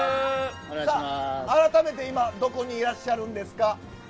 改めて今、どこにいらっしゃるんですか？